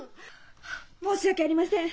申し訳ありません！